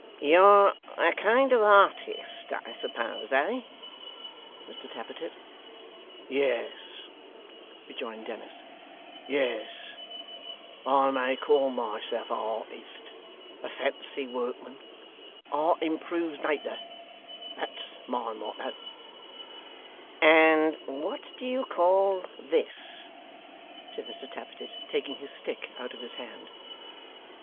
'You're a kind of artist, I suppose eh!' said Mr Tappertit. 'Yes,' rejoined Dennis; 'yes I may call myself a artist a fancy workman art improves natur' that's my motto.' 'And what do you call this?' said Mr Tappertit taking his stick out of his hand.